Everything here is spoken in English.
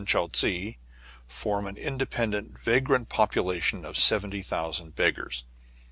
Choutzé, form an independent vagrant population of seventy thousand beggars.